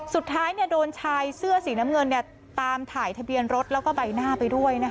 สุดท้ายโดนชายเสื้อสีน้ำเงินตามถ่ายทะเบียนรถแล้วก็ใบหน้าไปด้วย